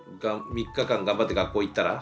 ３日間頑張って学校行ったら？